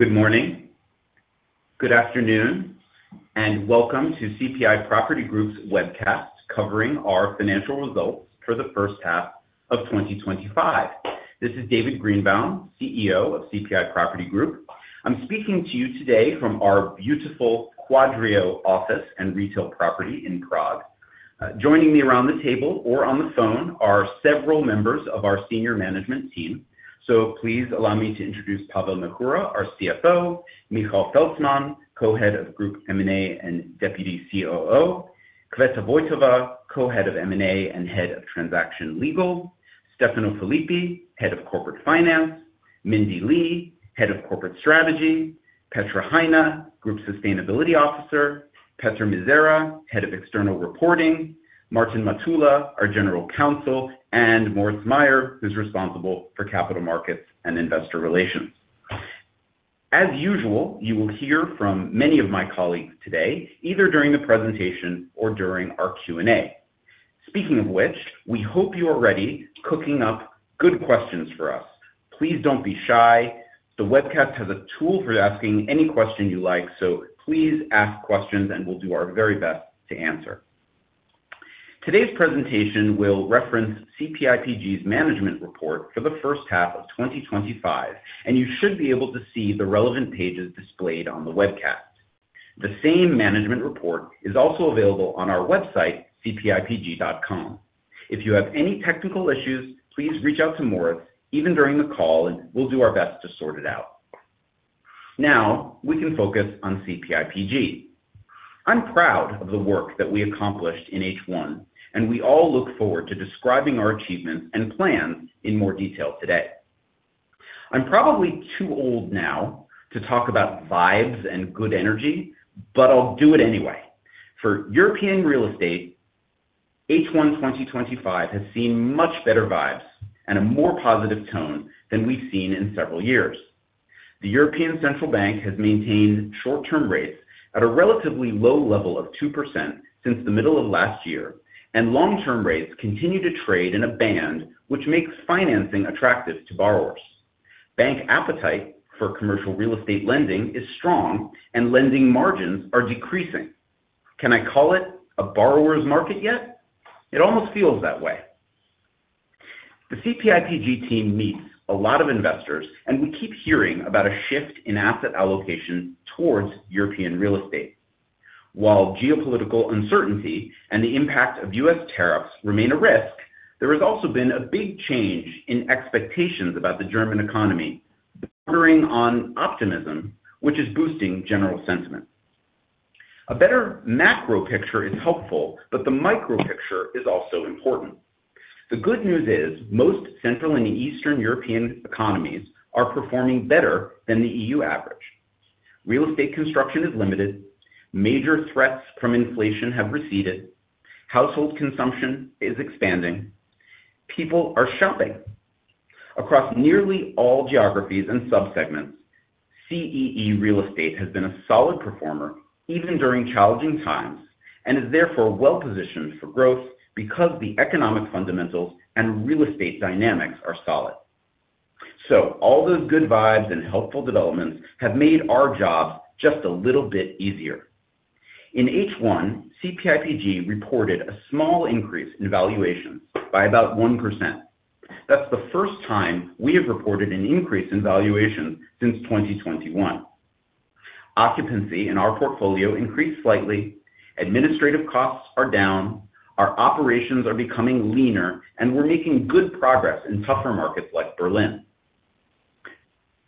Good morning. Good afternoon, and welcome to CPI Property Group's Webcast covering our financial results for the first half of 2025. This is David Greenbaum, CEO of CPI Property Group. I'm speaking to you today from our beautiful Quadrio office and retail property in Prague. Joining me around the table or on the phone are several members of our senior management team. Please allow me to introduce Pavel Měchura, our CFO, Michal Felcman, Co-Head of Group M&A and Deputy COO, Květa Vojtová, Co-Head of M&A and Head of Transaction Legal, Stefano Filippi, Head of Corporate Finance, Mindee Lee, Head of Corporate Strategy, Petra Hajna, Group Sustainability Officer, Petra Mizera, Head of External Reporting, Martin Matula, our General Counsel, and Moritz Mayer, who's responsible for Capital Markets and Investor Relations. As usual, you will hear from many of my colleagues today, either during the presentation or during our Q&A. Speaking of which, we hope you are ready cooking up good questions for us. Please don't be shy. The webcast has a tool for asking any question you like, so please ask questions, and we'll do our very best to answer. Today's presentation will reference CPIPG's Management Report for the first half of 2025, and you should be able to see the relevant pages displayed on the webcast. The same Management Report is also available on our website, cpipg.com. If you have any technical issues, please reach out to Moritz even during the call, and we'll do our best to sort it out. Now we can focus on CPIPG. I'm proud of the work that we accomplished in H1, and we all look forward to describing our achievements and plan in more detail today. I'm probably too old now to talk about vibes and good energy, but I'll do it anyway. For European real estate, H1 2025 has seen much better vibes and a more positive tone than we've seen in several years. The European Central Bank has maintained short-term rates at a relatively low level of 2% since the middle of last year, and long-term rates continue to trade in a band, which makes financing attractive to borrowers. Bank appetite for commercial real estate lending is strong, and lending margins are decreasing. Can I call it a borrower's market yet? It almost feels that way. The CPIPG team meets a lot of investors, and we keep hearing about a shift in asset allocation towards European real estate. While geopolitical uncertainty and the impact of U.S. tariffs remain a risk, there has also been a big change in expectations about the German economy, bordering on optimism, which is boosting general sentiment. A better macro picture is helpful, but the micro picture is also important. The good news is most Central and Eastern European economies are performing better than the EU average. Real estate construction is limited. Major threats from inflation have receded. Household consumption is expanding. People are shopping. Across nearly all geographies and subsegments, CEE real estate has been a solid performer even during challenging times and is therefore well positioned for growth because the economic fundamentals and real estate dynamics are solid. All the good vibes and helpful developments have made our jobs just a little bit easier. In H1, CPIPG reported a small increase in valuation by about 1%. That's the first time we have reported an increase in valuation since 2021. Occupancy in our portfolio increased slightly. Administrative costs are down. Our operations are becoming leaner, and we're making good progress in tougher markets like Berlin.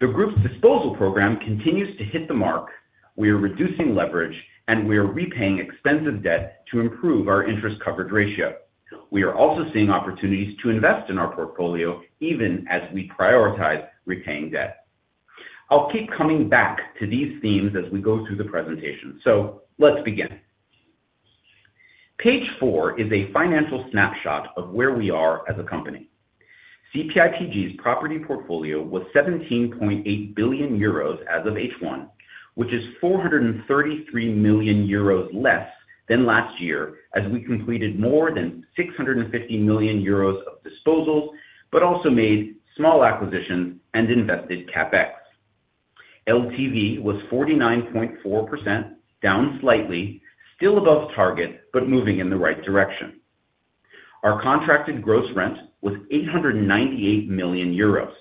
The group's disposal program continues to hit the mark. We are reducing leverage, and we are repaying expensive debt to improve our interest coverage ratio. We are also seeing opportunities to invest in our portfolio, even as we prioritize repaying debt. I'll keep coming back to these themes as we go through the presentation. Let's begin. Page four is a financial snapshot of where we are as a company. CPIPG's property portfolio was 17.8 billion euros as of H1, which is 433 million euros less than last year, as we completed more than 650 million euros of disposals, but also made small acquisitions and invested CapEx. LTV was 49.4%, down slightly, still above target, but moving in the right direction. Our contracted gross rent was 898 million euros.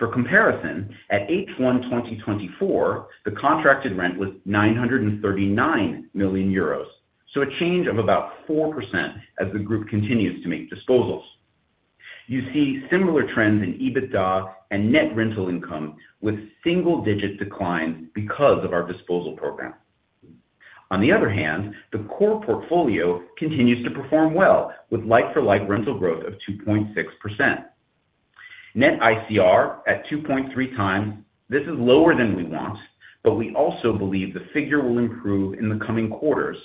For comparison, at H1 2024, the contracted rent was 939 million euros, so a change of about 4% as the group continues to make disposals. You see similar trends in EBITDA and net rental income, with single-digit decline because of our disposal program. On the other hand, the core portfolio continues to perform well, with like-for-like rental growth of 2.6%. Net ICR at 2.3x. This is lower than we want, but we also believe the figure will improve in the coming quarters,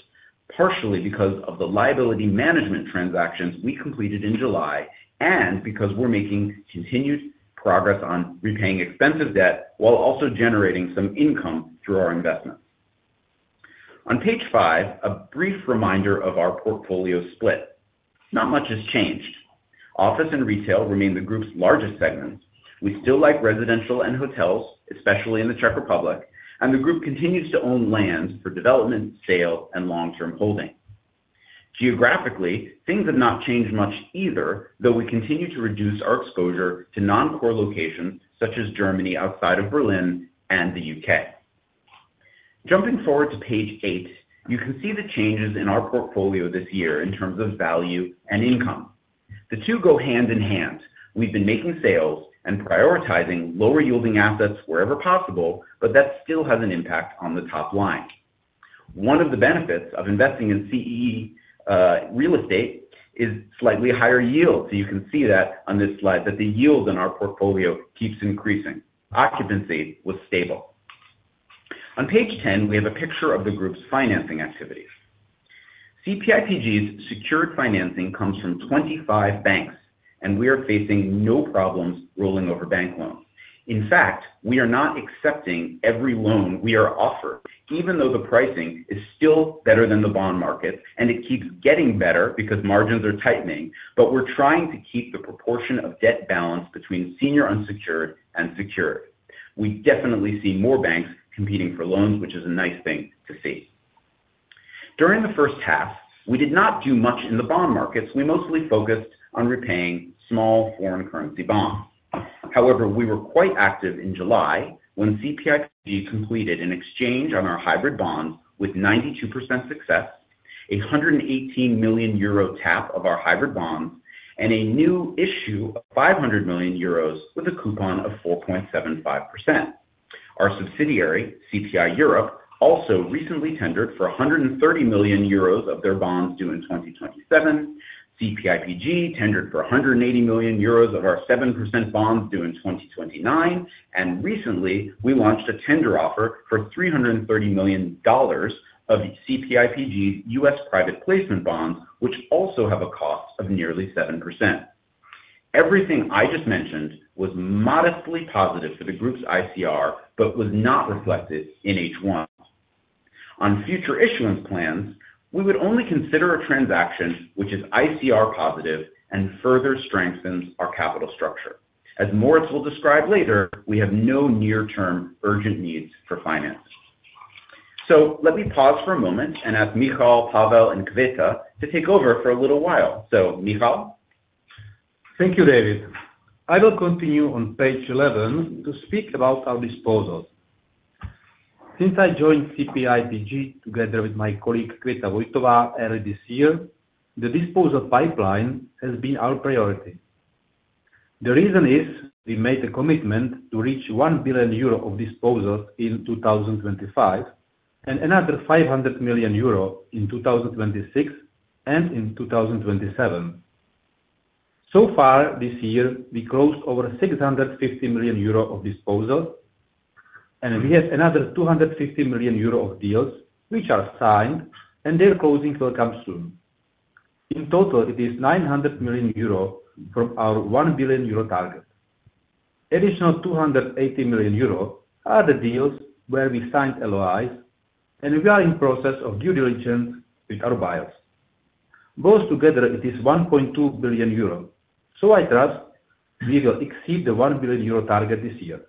partially because of the liability management transactions we completed in July and because we're making continued progress on repaying expensive debt while also generating some income through our investments. On page five, a brief reminder of our portfolio split. Not much has changed. Office and retail remain the group's largest segments. We still like residential and hotels, especially in the Czech Republic, and the group continues to own land for development, sale, and long-term holding. Geographically, things have not changed much either, though we continue to reduce our exposure to non-core locations such as Germany outside of Berlin and the UK. Jumping forward to page eight, you can see the changes in our portfolio this year in terms of value and income. The two go hand in hand. We've been making sales and prioritizing lower yielding assets wherever possible, but that still has an impact on the top line. One of the benefits of investing in CEE real estate is slightly higher yields. You can see that on this slide, that the yield in our portfolio keeps increasing. Occupancy was stable. On page 10, we have a picture of the group's financing activities. CPIPG's secured financing comes from 25 banks, and we are facing no problems rolling over bank loans. In fact, we are not accepting every loan we are offered, even though the pricing is still better than the bond market, and it keeps getting better because margins are tightening, but we're trying to keep the proportion of debt balance between senior unsecured and secured. We definitely see more banks competing for loans, which is a nice thing to see. During the first half, we did not do much in the bond markets. We mostly focused on repaying small foreign currency bonds. However, we were quite active in July when CPIPG completed an exchange on our hybrid bonds with 92% success, a 118 million euro tap of our hybrid bonds, and a new issue of 500 million euros with a coupon of 4.75%. Our subsidiary, CPI Europe, also recently tendered for 130 million euros of their bonds due in 2027. CPIPG tendered for 180 million euros of our 7% bonds due in 2029, and recently we launched a tender offer for $330 million of the CPIPG's U.S. private placement bonds, which also have a cost of nearly 7%. Everything I just mentioned was modestly positive for the group's ICR, but was not reflected in H1. On future issuance plans, we would only consider a transaction which is ICR positive and further strengthens our capital structure. As Moritz will describe later, we have no near-term urgent needs for finance. Let me pause for a moment and ask Michal, Pavel, and Květa to take over for a little while. Michal? Thank you, David. I will continue on page 11 to speak about our disposal. Since I joined CPIPG together with my colleague Květa Vojtová earlier this year, the disposal pipeline has been our priority. The reason is we made a commitment to reach 1 billion euro of disposal in 2025 and another 500 million euro in 2026 and in 2027. So far this year, we closed over 650 million euro of disposal, and we have another 250 million euro of deals which are signed, and their closings will come soon. In total, it is 900 million euro from our 1 billion euro target. Additional 280 million euro are the deals where we signed LOIs, and we are in the process of due diligence with our buyers. Both together, it is 1.2 billion euro. I trust we will exceed the 1 billion euro target this year.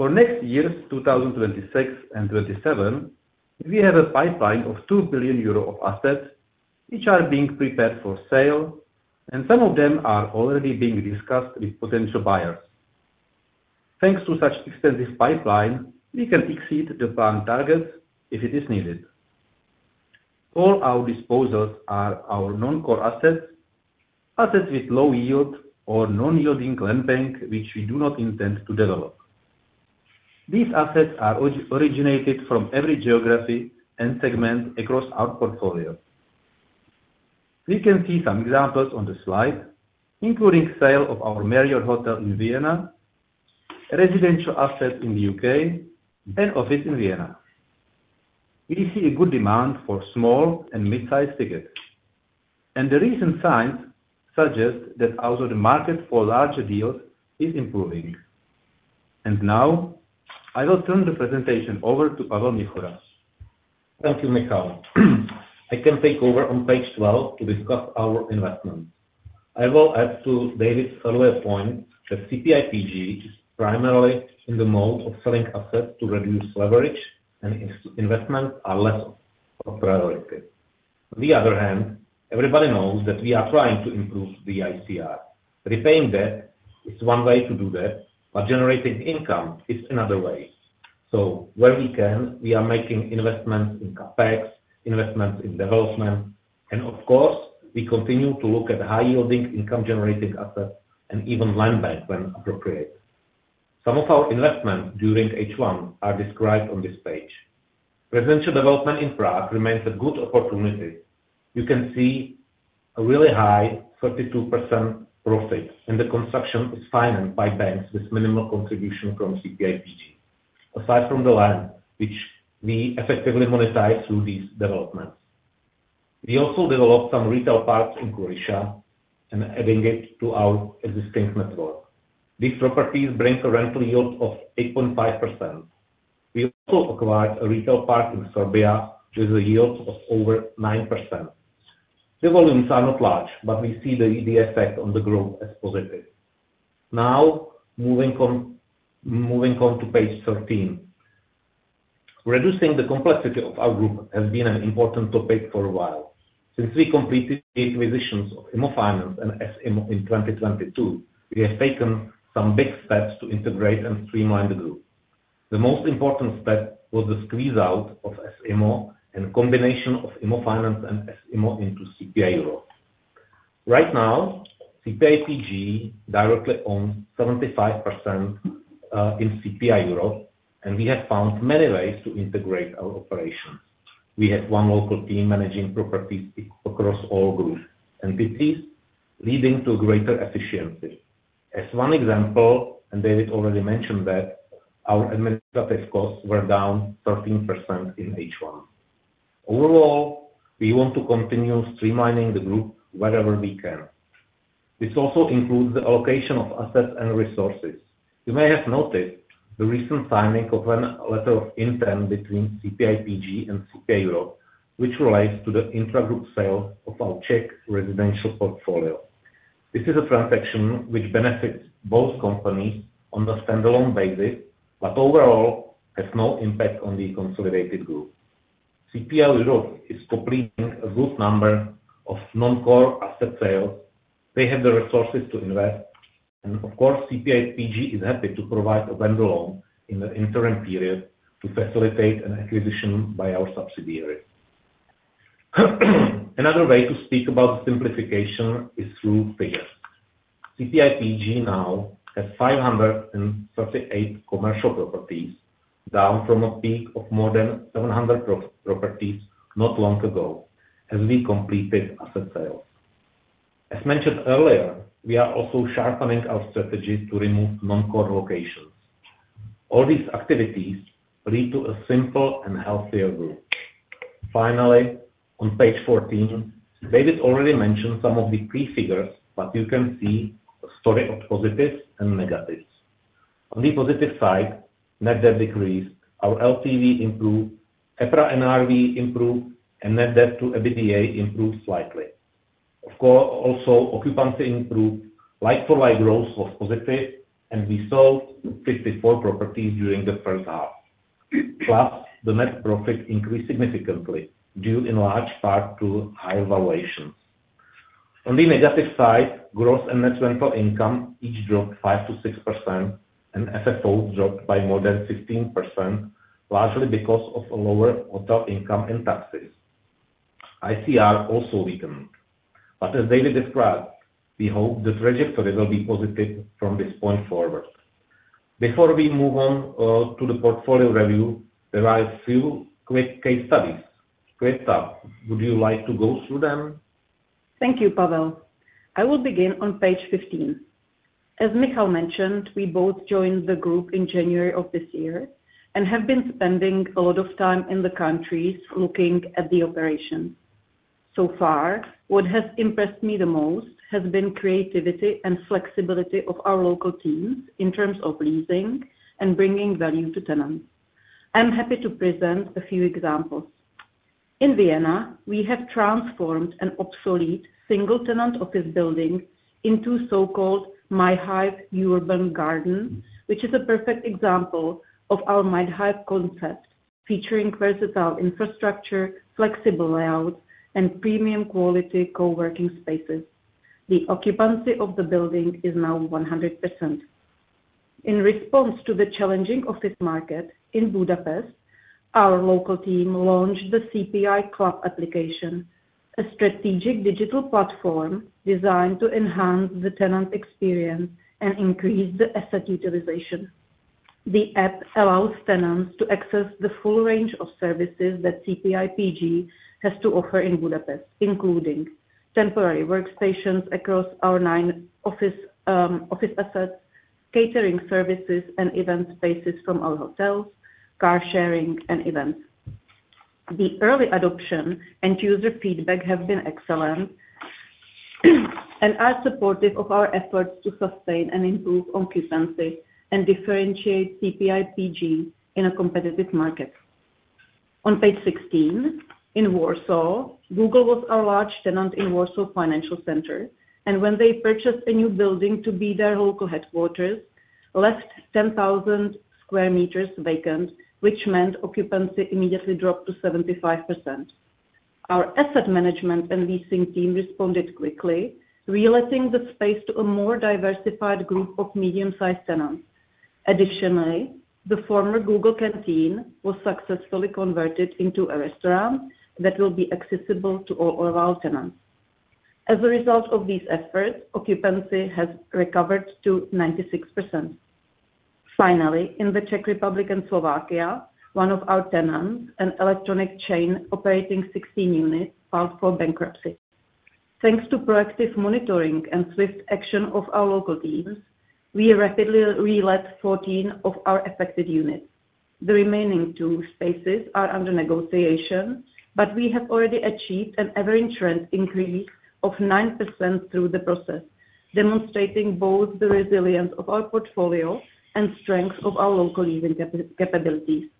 For next years, 2026 and 2027, we have a pipeline of 2 billion euro of assets which are being prepared for sale, and some of them are already being discussed with potential buyers. Thanks to such an extensive pipeline, we can exceed the planned targets if it is needed. All our disposals are our non-core assets, assets with low yield or non-yielding land bank which we do not intend to develop. These assets are originated from every geography and segment across our portfolio. We can see some examples on the slide, including the sale of our Marriott Hotel in Vienna, a residential asset in the UK, and an office in Vienna. We see a good demand for small and mid-sized tickets, and the recent signs suggest that out of the market or larger deals is improving. Now, I will turn the presentation over to Pavel Měchura. Thank you, Michal. I can take over on page 12 to discuss our investment. I will add to David's earlier point that CPIPG is primarily in the mode of selling assets to reduce leverage, and investments are less of a priority. On the other hand, everybody knows that we are trying to improve the ICR. Repaying debt is one way to do that, but generating income is another way. Where we can, we are making investments in CapEx, investments in development, and of course, we continue to look at high-yielding income-generating assets and even land bank when appropriate. Some of our investments during H1 are described on this page. Residential development infra remains a good opportunity. You can see a really high 32% profit, and the construction is financed by banks with minimal contribution from CPIPG, aside from the land which we effectively monetize through these developments. We also developed some retail parks in Croatia and added it to our existing network. These properties bring a rental yield of 8.5%. We also acquired a retail park in Serbia with a yield of over 9%. The volumes are not large, but we see the effect on the growth as positive. Now, moving on to page 13. Reducing the complexity of our group has been an important topic for a while. Since we completed the acquisitions of IMMOFINANZ and S IMMO in 2022, we have taken some big steps to integrate and streamline the group. The most important step was the squeeze out of S IMMO and the combination of IMMOFINANZ and S IMMO into CPI Europe. Right now, CPIPG directly owns 75% in CPI Europe, and we have found many ways to integrate our operations. We have one local team managing properties across all groups and entities, leading to greater efficiency. As one example, and David already mentioned that, our administrative costs were down 13% in H1. Overall, we want to continue streamlining the group wherever we can. This also includes the allocation of assets and resources. You may have noticed the recent signing of a letter of intent between CPIPG and CPI Europe, which relates to the intra-group sale of our Czech residential portfolio. This is a transaction which benefits both companies on a standalone basis, but overall has no impact on the consolidated group. CPI Europe is completing a good number of non-core asset sales. They have the resources to invest, and of course, CPIPG is happy to provide a vendor loan in the interim period to facilitate an acquisition by our subsidiary. Another way to speak about the simplification is through figures. CPIPG now has 538 commercial properties, down from a peak of more than 700 properties not long ago as we completed asset sales. As mentioned earlier, we are also sharpening our strategy to remove non-core locations. All these activities lead to a simpler and healthier group. Finally, on page 14, David already mentioned some of the key figures, but you can see a story of positives and negatives. On the positive side, net debt decreased, our LTV improved, EPR and RV improved, and net debt to EBITDA improved slightly. Of course, also occupancy improved, like-for-like growth was positive, and we sold 54 properties during the first half. Plus, the net profit increased significantly, due in large part to high valuation. On the negative side, gross and net rental income each dropped 5%-6%, and FFOs dropped by more than 15%, largely because of a lower hotel income and taxes. ICR also weakened. As David described, we hope the trajectory will be positive from this point forward. Before we move on to the portfolio review, there are a few quick case studies. Květa, would you like to go through them? Thank you, Pavel. I will begin on page 15. As Michal mentioned, we both joined the group in January of this year and have been spending a lot of time in the countries looking at the operation. So far, what has impressed me the most has been the creativity and flexibility of our local teams in terms of leasing and bringing value to tenants. I'm happy to present a few examples. In Vienna, we have transformed an obsolete single-tenant office building into so-called myhive Urban Garden, which is a perfect example of our myhive concept, featuring versatile infrastructure, flexible layout, and premium quality coworking spaces. The occupancy of the building is now 100%. In response to the challenging office market in Budapest, our local team launched the CPI Club application, a strategic digital platform designed to enhance the tenant experience and increase the asset utilization. The app allows tenants to access the full range of services that CPIPG has to offer in Budapest, including temporary workstations across our nine office assets, catering services, and event spaces from our hotels, car sharing, and events. The early adoption and user feedback have been excellent and are supportive of our efforts to sustain and improve occupancy and differentiate CPIPG in a competitive market. On page 16, in Warsaw, Google was our large tenant in Warsaw Financial Center, and when they purchased a new building to be their local headquarters, they left 10,000 sq m vacant, which meant occupancy immediately dropped to 75%. Our asset management and leasing team responded quickly, reallocating the space to a more diversified group of medium-sized tenants. Additionally, the former Google canteen was successfully converted into a restaurant that will be accessible to all of our tenants. As a result of these efforts, occupancy has recovered to 96%. Finally, in the Czech Republic and Slovakia, one of our tenants, an electronic chain operating 16 units, filed for bankruptcy. Thanks to proactive monitoring and swift action of our local teams, we rapidly reallocated 14 of our affected units. The remaining two spaces are under negotiation, but we have already achieved an average rent increase of 9% through the process, demonstrating both the resilience of our portfolio and the strength of our local living capabilities.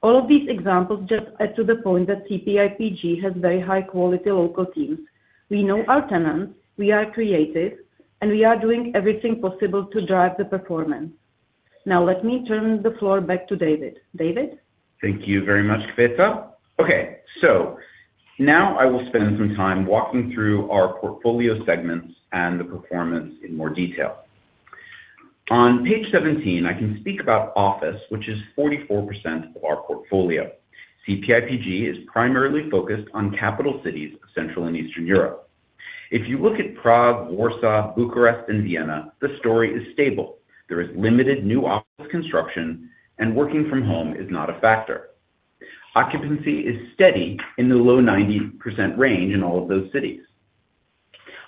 All of these examples just add to the point that CPIPG has very high-quality local teams. We know our tenants, we are creative, and we are doing everything possible to drive the performance. Now, let me turn the floor back to David. David? Thank you very much, Květa. Okay, so now I will spend some time walking through our portfolio segments and the performance in more detail. On page 17, I can speak about office, which is 44% of our portfolio. CPIPG is primarily focused on capital cities of Central and Eastern Europe. If you look at Prague, Warsaw, Bucharest, and Vienna, the story is stable. There is limited new office construction, and working from home is not a factor. Occupancy is steady in the low 90% range in all of those cities.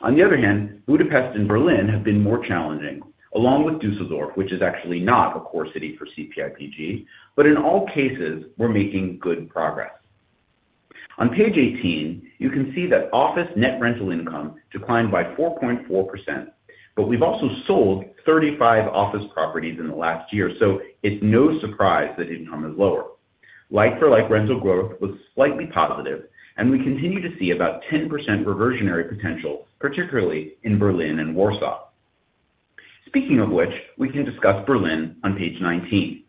On the other hand, Budapest and Berlin have been more challenging, along with Dusseldorf, which is actually not a core city for CPIPG, but in all cases, we're making good progress. On page 18, you can see that office net rental income declined by 4.4%, but we've also sold 35 office properties in the last year, so it's no surprise that income is lower. Like-for-like rental growth was slightly positive, and we continue to see about 10% reversionary potential, particularly in Berlin and Warsaw. Speaking of which, we can discuss Berlin on page 19.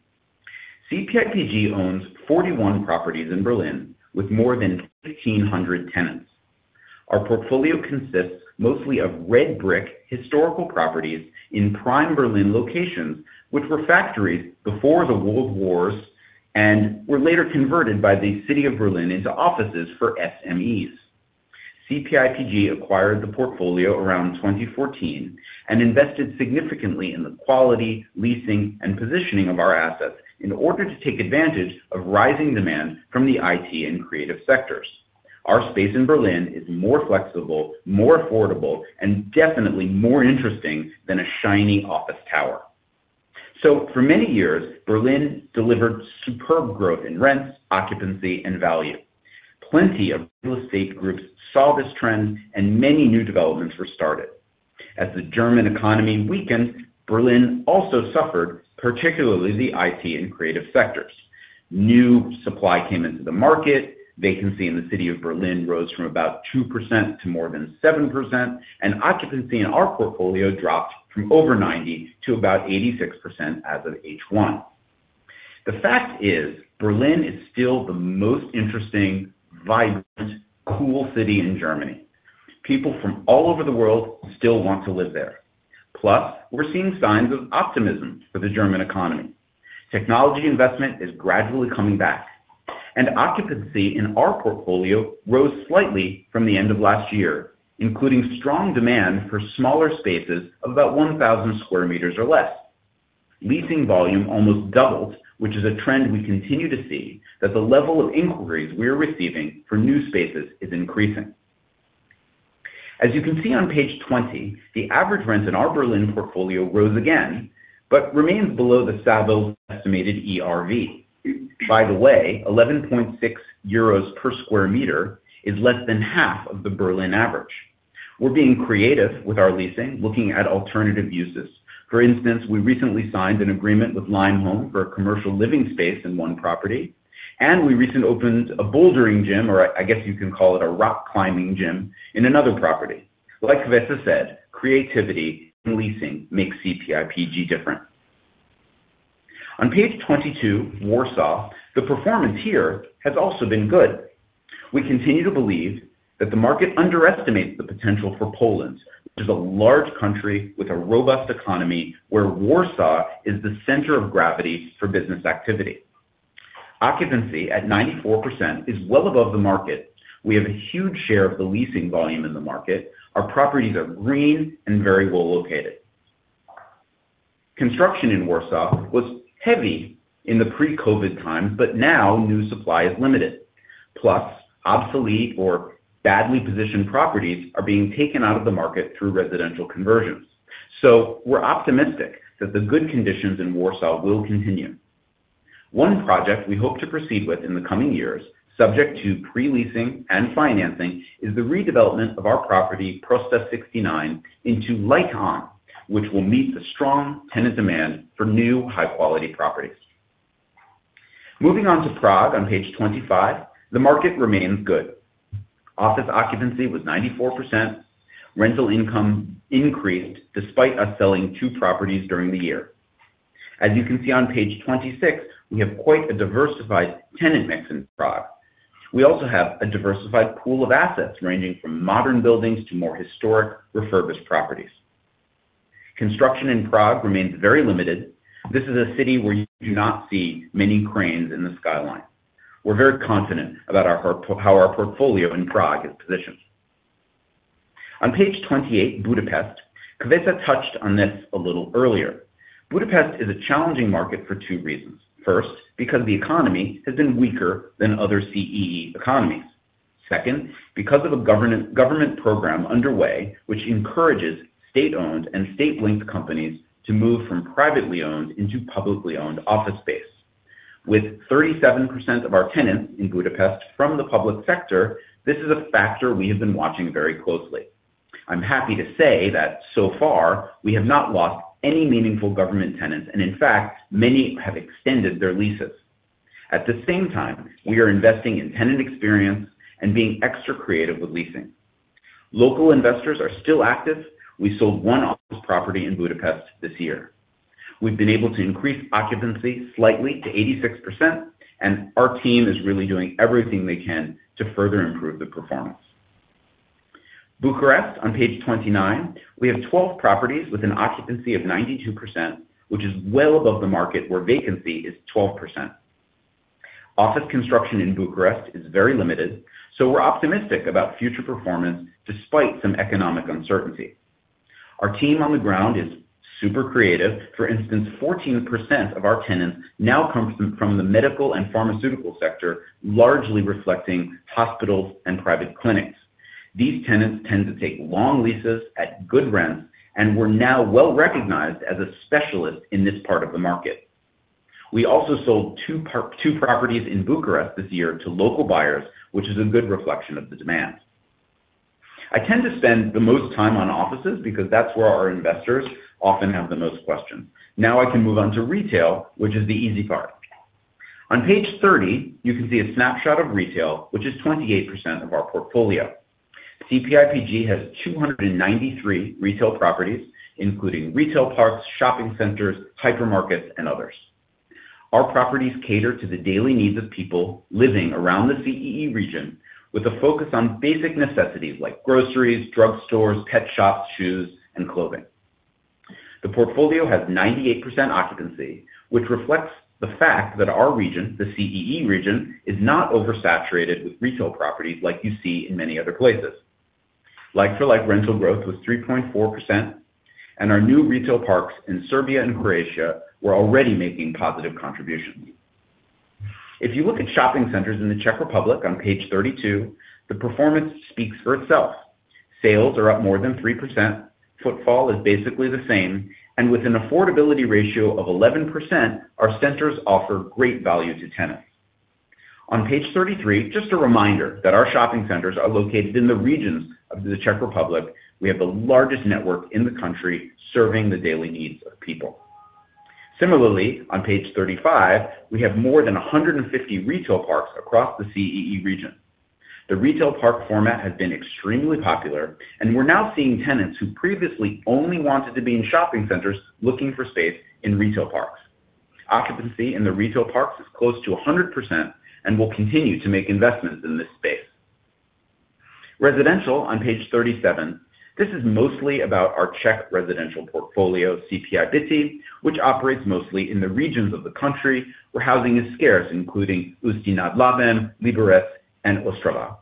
CPIPG owns 41 properties in Berlin with more than 1,500 tenants. Our portfolio consists mostly of red brick historical properties in prime Berlin locations, which were factories before the World Wars and were later converted by the city of Berlin into offices for SMEs. CPIPG acquired the portfolio around 2014 and invested significantly in the quality, leasing, and positioning of our assets in order to take advantage of rising demand from the IT and creative sectors. Our space in Berlin is more flexible, more affordable, and definitely more interesting than a shiny office tower. For many years, Berlin delivered superb growth in rent, occupancy, and value. Plenty of real estate groups saw this trend, and many new developments were started. As the German economy weakened, Berlin also suffered, particularly the IT and creative sectors. New supply came into the market, vacancy in the city of Berlin rose from about 2% to more than 7%, and occupancy in our portfolio dropped from over 90% to about 86% as of H1. The fact is, Berlin is still the most interesting, vibrant, cool city in Germany. People from all over the world still want to live there. Plus, we're seeing signs of optimism for the German economy. Technology investment is gradually coming back, and occupancy in our portfolio rose slightly from the end of last year, including strong demand for smaller spaces of about 1,000 sq m or less. Leasing volume almost doubled, which is a trend we continue to see, as the level of inquiries we are receiving for new spaces is increasing. As you can see on page 20, the average rent in our Berlin portfolio rose again but remains below the Savills estimated ERV. By the way, 11.6 euros per sq m is less than half of the Berlin average. We're being creative with our leasing, looking at alternative uses. For instance, we recently signed an agreement with Limehome for a commercial living space in one property, and we recently opened a bouldering gym, or I guess you can call it a rock climbing gym, in another property. Like Květa said, creativity in leasing makes CPIPG different. On page 22, Warsaw, the performance here has also been good. We continue to believe that the market underestimates the potential for Poland, which is a large country with a robust economy where Warsaw is the center of gravity for business activity. Occupancy at 94% is well above the market. We have a huge share of the leasing volume in the market. Our properties are green and very well located. Construction in Warsaw was heavy in the pre-COVID times, but now new supply is limited. Plus, obsolete or badly positioned properties are being taken out of the market through residential conversions. We are optimistic that the good conditions in Warsaw will continue. One project we hope to proceed with in the coming years, subject to pre-leasing and financing, is the redevelopment of our property, Prosta 69, into Like On, which will meet the strong tenant demand for new high-quality properties. Moving on to Prague on page 25, the market remains good. Office occupancy was 94%. Rental income increased despite us selling two properties during the year. As you can see on page 26, we have quite a diversified tenant mix in Prague. We also have a diversified pool of assets ranging from modern buildings to more historic refurbished properties. Construction in Prague remains very limited. This is a city where you do not see many cranes in the skyline. We're very confident about how our portfolio in Prague is positioned. On page 28, Budapest, Květa touched on this a little earlier. Budapest is a challenging market for two reasons. First, because the economy has been weaker than other CEE economies. Second, because of a government program underway which encourages state-owned and state-linked companies to move from privately owned into publicly owned office space. With 37% of our tenants in Budapest from the public sector, this is a factor we have been watching very closely. I'm happy to say that so far we have not lost any meaningful government tenants, and in fact, many have extended their leases. At the same time, we are investing in tenant experience and being extra creative with leasing. Local investors are still active. We sold one office property in Budapest this year. We've been able to increase occupancy slightly to 86%, and our team is really doing everything they can to further improve the performance. Bucharest, on page 29, we have 12 properties with an occupancy of 92%, which is well above the market where vacancy is 12%. Office construction in Bucharest is very limited, so we're optimistic about future performance despite some economic uncertainty. Our team on the ground is super creative. For instance, 14% of our tenants now come from the medical and pharmaceutical sector, largely reflecting hospitals and private clinics. These tenants tend to take long leases at good rents, and we're now well recognized as a specialist in this part of the market. We also sold two properties in Bucharest this year to local buyers, which is a good reflection of the demand. I tend to spend the most time on offices because that's where our investors often have the most questions. Now I can move on to retail, which is the easy part. On page 30, you can see a snapshot of retail, which is 28% of our portfolio. CPIPG has 293 retail properties, including retail parks, shopping centers, hypermarkets, and others. Our properties cater to the daily needs of people living around the CEE region, with a focus on basic necessities like groceries, drug stores, pet shops, shoes, and clothing. The portfolio has 98% occupancy, which reflects the fact that our region, the CEE region, is not oversaturated with retail properties like you see in many other places. Like-for-like rental growth was 3.4%, and our new retail parks in Serbia and Croatia were already making positive contributions. If you look at shopping centers in the Czech Republic on page 32, the performance speaks for itself. Sales are up more than 3%, footfall is basically the same, and with an affordability ratio of 11%, our centers offer great value to tenants. On page 33, just a reminder that our shopping centers are located in the regions of the Czech Republic. We have the largest network in the country serving the daily needs of people. Similarly, on page 35, we have more than 150 retail parks across the CEE region. The retail park format has been extremely popular, and we're now seeing tenants who previously only wanted to be in shopping centers looking for space in retail parks. Occupancy in the retail parks is close to 100%, and we will continue to make investments in this space. Residential on page 37, this is mostly about our Czech residential portfolio, CPIPG, which operates mostly in the regions of the country where housing is scarce, including Ústí nad Labem, Liberec, and Ostrava.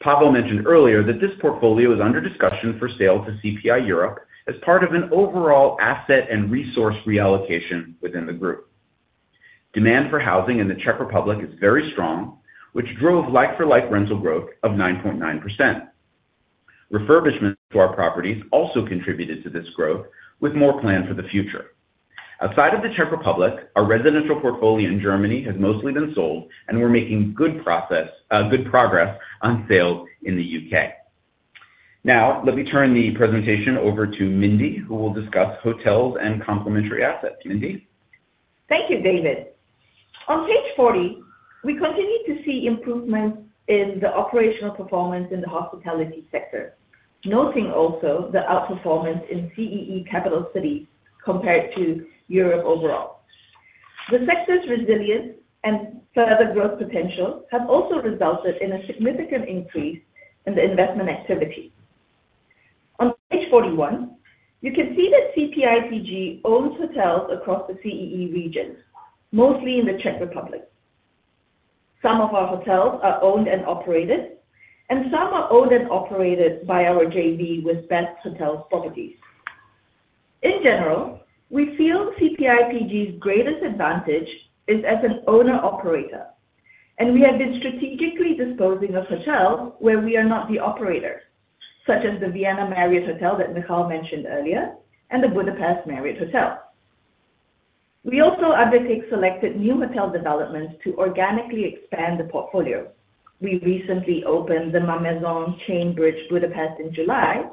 Pavel mentioned earlier that this portfolio is under discussion for sale to CPI Europe as part of an overall asset and resource reallocation within the group. Demand for housing in the Czech Republic is very strong, which drove like-for-like rental growth of 9.9%. Refurbishments to our properties also contributed to this growth, with more planned for the future. Outside of the Czech Republic, our residential portfolio in Germany has mostly been sold, and we're making good progress on sales in the UK. Now, let me turn the presentation over to Mindee, who will discuss hotels and complementary assets. Mindee? Thank you, David. On page 40, we continue to see improvements in the operational performance in the hospitality sector, noting also the outperformance in CEE capital cities compared to Europe overall. The sector's resilience and further growth potential have also resulted in a significant increase in the investment activity. On page 41, you can see that CPIPG owns hotels across the CEE region, mostly in the Czech Republic. Some of our hotels are owned and operated, and some are owned and operated by our JV with Best Hotel Properties. In general, we feel CPIPG's greatest advantage is as an owner-operator, and we have been strategically disposing of hotels where we are not the operator, such as the Vienna Marriott Hotel that Michal mentioned earlier and the Budapest Marriott Hotel. We also undertake selected new hotel developments to organically expand the portfolio. We recently opened the Mamaison Chain Bridge Budapest in July,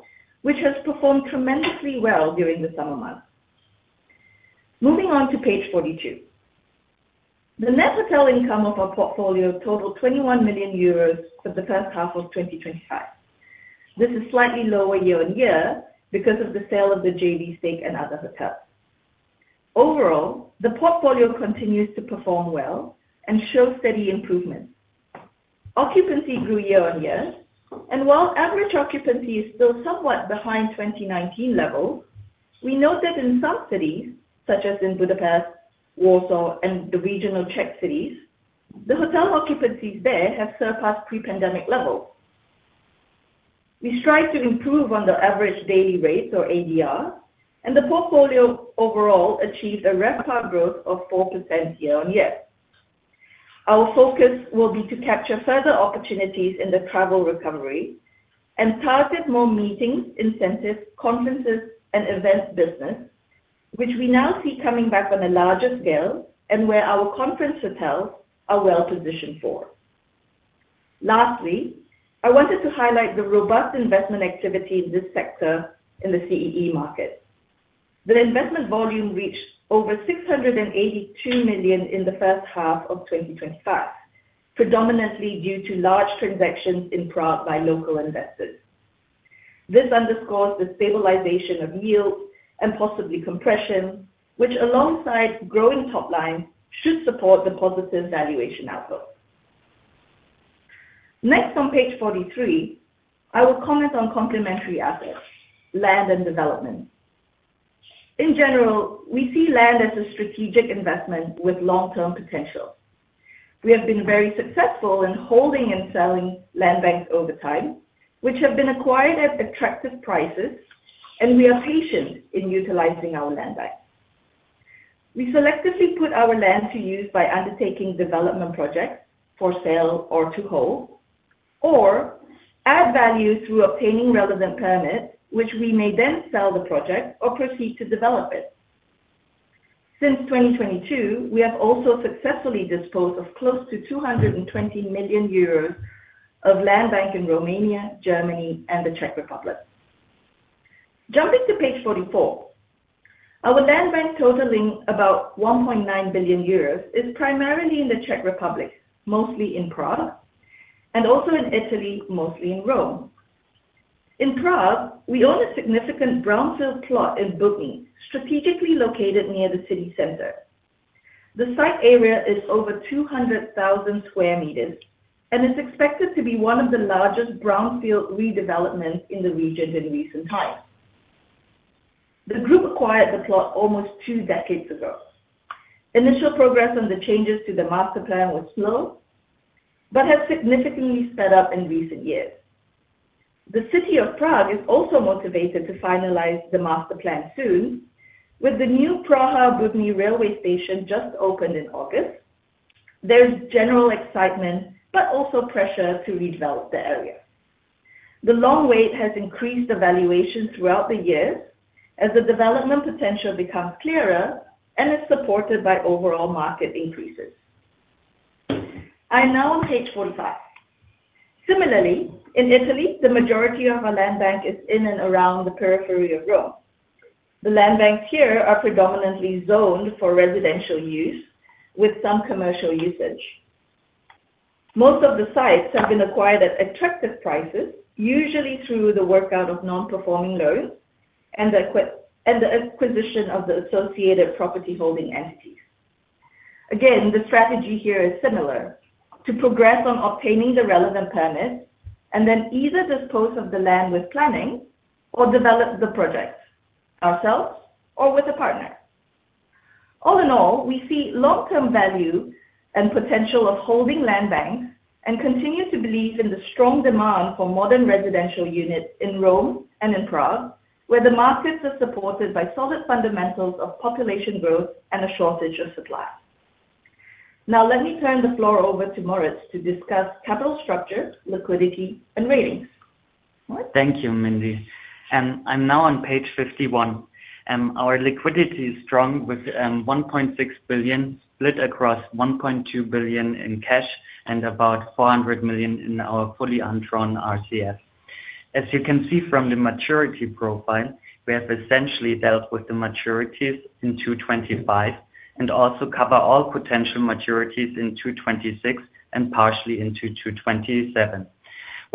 which has performed tremendously well during the summer months. Moving on to page 42, the net hotel income of our portfolio totals 21 million euros for the first half of 2025. This is slightly lower year-on-year because of the sale of the JV stake and other hotels. Overall, the portfolio continues to perform well and showed steady improvement. Occupancy grew year-on-year, and while average occupancy is still somewhat behind 2019 levels, we note that in some cities, such as in Budapest, Warsaw, and the regional Czech cities, the hotel occupancies there have surpassed pre-pandemic levels. We strive to improve on the average daily rates, or ADR, and the portfolio overall achieved a record growth of 4% year on year. Our focus will be to capture further opportunities in the travel recovery and target more meetings, incentives, conferences, and events business, which we now see coming back on a larger scale and where our conference hotels are well positioned for. Lastly, I wanted to highlight the robust investment activity in this sector in the CEE market. The investment volume reached over 682 million in the first half of 2025, predominantly due to large transactions in Prague by local investors. This underscores the stabilization of yields and possibly compression, which alongside growing top lines should support the positive valuation outlook. Next, on page 43, I will comment on complementary assets, land, and development. In general, we see land as a strategic investment with long-term potential. We have been very successful in holding and selling land banks over time, which have been acquired at attractive prices, and we are patient in utilizing our land banks. We selectively put our land to use by undertaking development projects for sale or to hold or add value through obtaining relevant permits, which we may then sell the project or proceed to develop it. Since 2022, we have also successfully disposed of close to 220 million euros of land bank in Romania, Germany, and the Czech Republic. Jumping to page 44, our land bank totaling about 1.9 billion euros is primarily in the Czech Republic, mostly in Prague, and also in Italy, mostly in Rome. In Prague, we own a significant brownfield plot in Bubny, strategically located near the city center. The site area is over 200,000 sq m, and it's expected to be one of the largest brownfield redevelopments in the region in recent times. The group acquired the plot almost two decades ago. Initial progress on the changes to the master plan was slow but has significantly sped up in recent years. The city of Prague is also motivated to finalize the master plan soon, with the new Praha-Bubny railway station just opened in August. There's general excitement but also pressure to redevelop the area. The long wait has increased the valuation throughout the years as the development potential becomes clearer and is supported by overall market increases. I'm now on page 45. Similarly, in Italy, the majority of our land bank is in and around the periphery of Rome. The land banks here are predominantly zoned for residential use with some commercial usage. Most of the sites have been acquired at attractive prices, usually through the workout of non-performing loans and the acquisition of the associated property holding entities. Again, the strategy here is similar: to progress on obtaining the relevant permits and then either dispose of the land with planning or develop the projects ourselves or with a partner. All in all, we see long-term value and potential of holding land banks and continue to believe in the strong demand for modern residential units in Rome and in Prague, where the markets are supported by solid fundamentals of population growth and a shortage of supply. Now, let me turn the floor over to Moritz to discuss capital structure, liquidity, and ratings. Thank you, Mindee. I'm now on page 51. Our liquidity is strong with 1.6 billion split across 1.2 billion in cash and about 400 million in our fully undrawn RCF. As you can see from the maturity profile, we have essentially dealt with the maturities in Q2 2025 and also cover all potential maturities in Q2 2026 and partially into Q2 2027.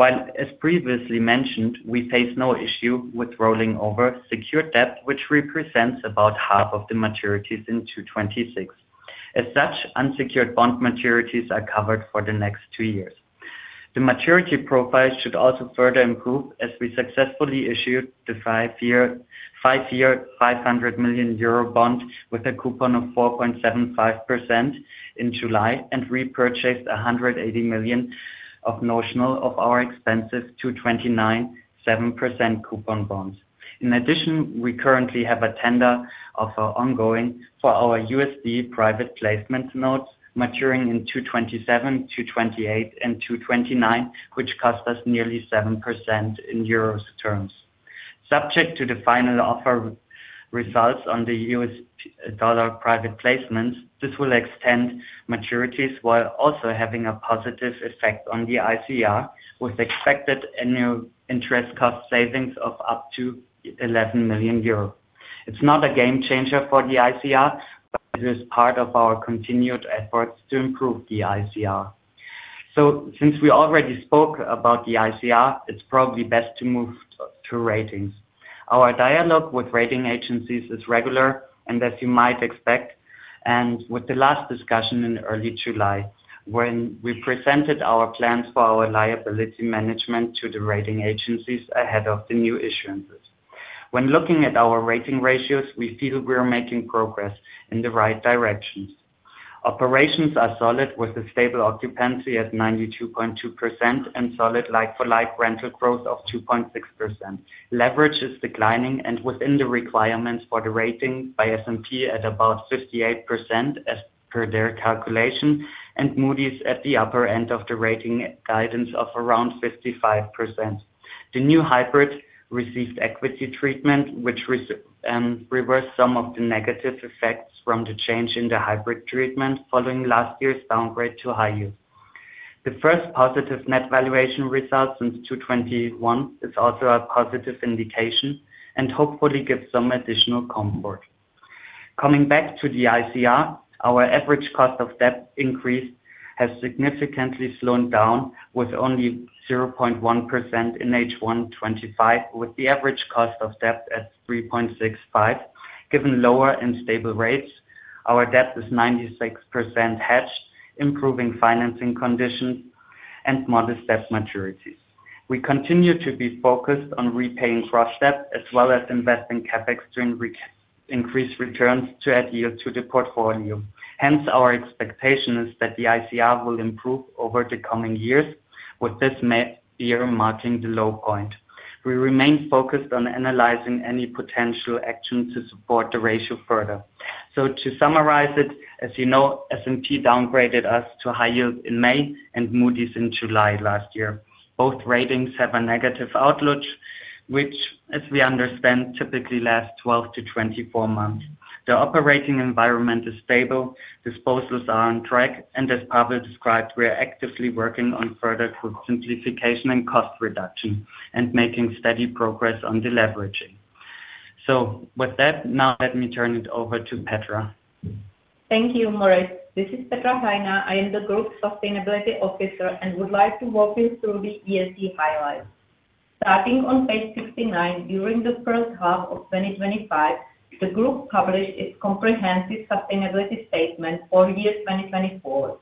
As previously mentioned, we face no issue with rolling over secured debt, which represents about half of the maturities in Q2 2026. As such, unsecured bond maturities are covered for the next two years. The maturity profile should also further improve as we successfully issued the five-year 500 million euro bond with a coupon of 4.75% in July and repurchased 180 million of notional of our expensive Q2 2029 7% coupon bonds. In addition, we currently have a tender ongoing for our USD private placement notes maturing in Q2 2027, Q2 2028, and Q2 2029 which cost us nearly 7% in euro terms. Subject to the final offer results on the US dollar private placements, this will extend maturities while also having a positive effect on the ICR with expected annual interest cost savings of up to 11 million euros. It's not a game changer for the ICR, but it is part of our continued efforts to improve the ICR. Since we already spoke about the ICR, it's probably best to move to ratings. Our dialogue with rating agencies is regular, as you might expect, with the last discussion in early July when we presented our plans for our liability management to the rating agencies ahead of the new issuances. When looking at our rating ratios, we feel we're making progress in the right direction. Operations are solid with a stable occupancy at 92.2% and solid like-for-like rental growth of 2.6%. Leverage is declining and within the requirements for the rating by S&P at about 58% as per their calculation, and Moody's at the upper end of the rating guidance of around 55%. The new hybrid received equity treatment, which reversed some of the negative effects from the change in the hybrid treatment following last year's downgrade to high yield. The first positive net valuation result since Q2 2021 is also a positive indication and hopefully gives some additional comfort. Coming back to the ICR, our average cost of debt increase has significantly slowed down with only 0.1% in H1 2025, with the average cost of debt at 3.65%. Given lower and stable rates, our debt is 96% hedged, improving financing conditions and modest debt maturity. We continue to be focused on repaying cross-debt as well as investing CapEx to increase returns to add yield to the portfolio. Hence, our expectation is that the ICR will improve over the coming years, with this year marking the low point. We remain focused on analyzing any potential action to support the ratio further. To summarize it, as you know, S&P downgraded us to high yield in May and Moody's in July last year. Both ratings have a negative outlook, which, as we understand, typically lasts 12 months-24 months. The operating environment is stable, disposals are on track, and as Pavel described, we are actively working on further simplification and cost reduction and making steady progress on the leveraging. With that, now let me turn it over to Petra. Thank you, Moritz. This is Petra Hajna. I am the Group Sustainability Officer and would like to walk you through the ESG highlights. Starting on page 69, during the first half of 2025, the group published its comprehensive sustainability statement for the year 2024.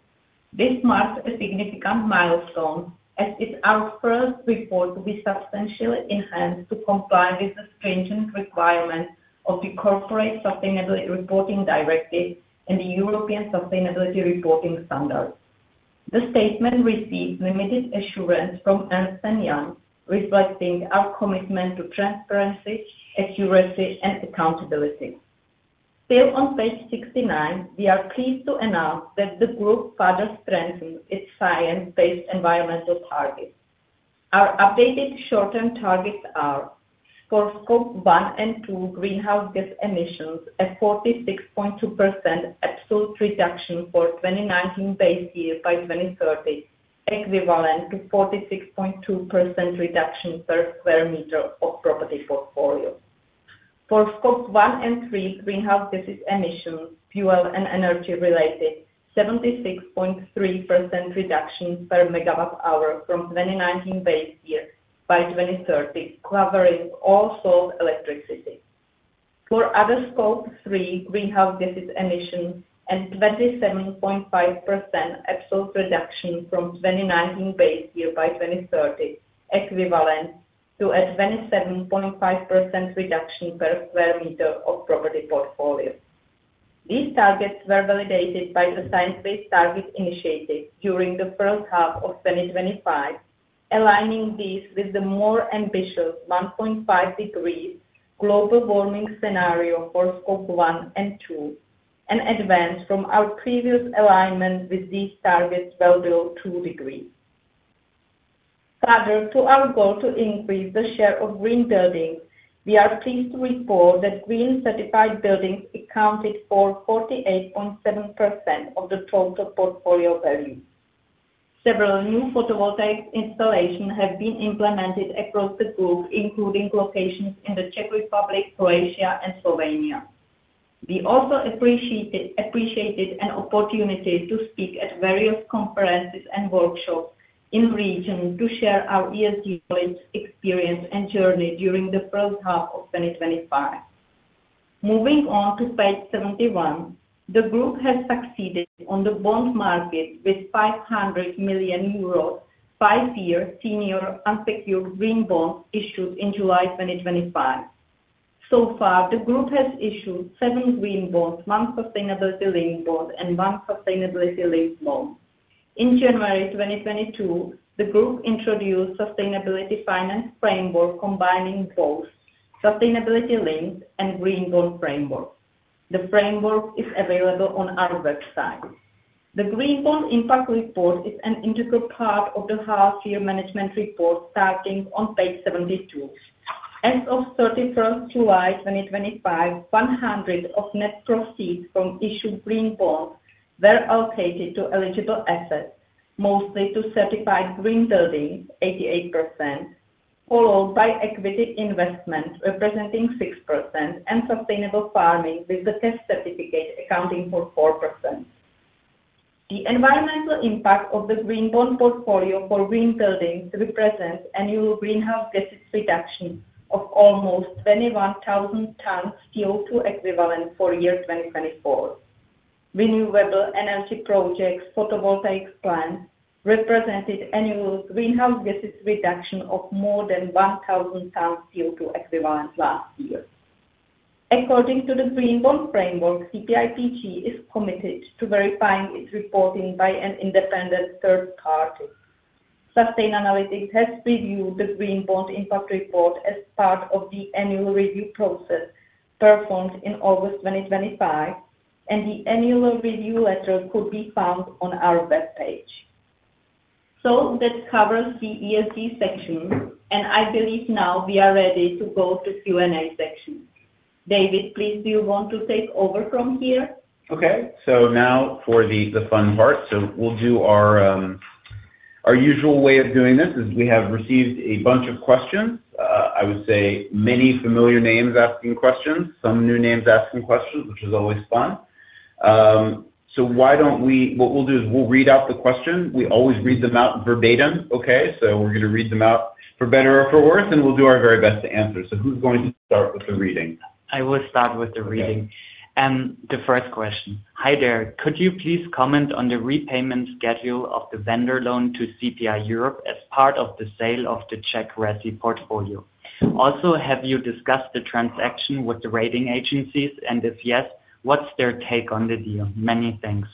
This marks a significant milestone as it's our first report to be substantially enhanced to comply with the stringent requirements of the Corporate Sustainability Reporting Directive and the European Sustainability Reporting Standard. The statement receives limited assurance from Ernst & Young, reflecting our commitment to transparency, accuracy, and accountability. Still on page 69, we are pleased to announce that the group further strengthens its science-based environmental targets. Our updated short-term targets are for Scope 1 and 2 greenhouse gas emissions a 46.2% absolute reduction for 2019-based year by 2030, equivalent to 46.2% reduction per square meter of property portfolio. For Scopes 1 and Scope 3, greenhouse gas emissions, fuel and energy-related 76.3% reductions per megawatt hour from 2019-based year by 2030, covering all sole electricity. For other Scopes 3, greenhouse gas emissions a 27.5% absolute reduction from 2019-based year by 2030, equivalent to a 27.5% reduction per square meter of property portfolio. These targets were validated by the Science-based Targets Initiative during the first half of 2025, aligning these with the more ambitious 1.5 degrees global warming scenario for Scope 1 and Scope 2, an advance from our previous alignment with these targets well below 2 degrees. Further to our goal to increase the share of green buildings, we are pleased to report that green-certified buildings accounted for 48.7% of the total portfolio value. Several new photovoltaic installations have been implemented across the group, including locations in the Czech Republic, Croatia, and Slovenia. We also appreciated an opportunity to speak at various conferences and workshops in the region to share our ESG colleagues' experience and journey during the first half of 2025. Moving on to page 71, the group has succeeded on the bond market with 500 million euros five-year senior unsecured green bonds issued in July 2025. So far, the group has issued seven green bonds, one sustainability-linked bond, and one sustainability-linked bond. In January 2022, the group introduced a sustainability finance framework combining both sustainability-linked and green bond framework. The framework is available on our website. The Green Bond Impact Report is an integral part of the half-year management report starting on page 72. As of 31 July 2025, 100% of net proceeds from issued green bonds were allocated to eligible assets, mostly to certified green buildings (88%), followed by equity investment (representing 6%) and sustainable farming with the CEF certificate accounting for 4%. The environmental impact of the green bond portfolio for green buildings represents annual greenhouse gases reduction of almost 21,000 tons CO2 equivalent for year 2024. Renewable energy projects, photovoltaic plants, represented annual greenhouse gases reduction of more than 1,000 tons CO2 equivalent last year. According to the Green Bonds Framework, CPIPG is committed to verifying its reporting by an independent third party. Sustainalytics has reviewed the Green Bond Impact Report as part of the annual review process performed in August 2025, and the annual review letter could be found on our webpage. That covers the ESG section, and I believe now we are ready to go to the Q&A section. David, please, do you want to take over from here? Okay, now for the fun part. We'll do our usual way of doing this. We have received a bunch of questions. I would say many familiar names asking questions, some new names asking questions, which is always fun. What we'll do is we'll read out the question. We always read them out verbatim, okay? We're going to read them out for better or for worse, and we'll do our very best to answer. Who's going to start with the reading? I will start with the reading. The first question: Hi there, could you please comment on the repayment schedule of the vendor loan to CPI Europe as part of the sale of the Czech RESI portfolio? Also, have you discussed the transaction with the rating agencies? If yes, what's their take on the deal? Many thanks.